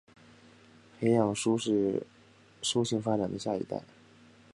培养适性发展的下一代